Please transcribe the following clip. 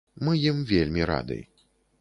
Мы ім вельмі рады.